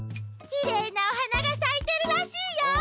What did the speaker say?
きれいなおはながさいてるらしいよ！